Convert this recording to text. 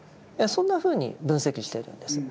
そんなふうに分析しているんです。